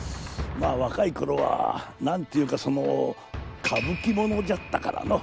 まあ若いころは何て言うかそのかぶきものじゃったからのう。